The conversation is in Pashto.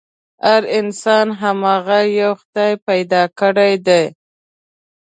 هر انسان هماغه يوه خدای پيدا کړی دی.